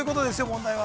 問題は。